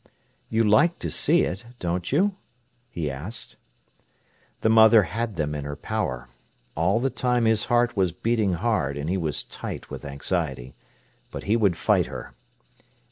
"You like to see it, don't you?" he asked. The mother had them in her power. All the time his heart was beating hard, and he was tight with anxiety. But he would fight her.